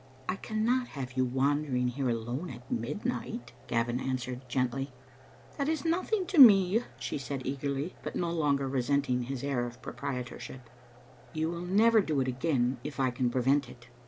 "I cannot have you wandering here alone at mid night," Gavin answered, gently. "That is nothing to me," she said, eagerly, but no longer resenting his air of proprietorship. Digitized by VjOOQ IC "You will never do it again if I can prevent it."